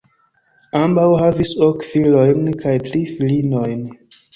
Ambaŭ havis ok filojn kaj tri filinojn.